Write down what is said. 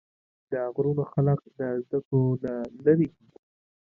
د غرونو خلق د زدکړو نه لرې دي